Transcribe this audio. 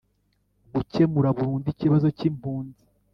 gukemura burundu ikibazo cy'impunzi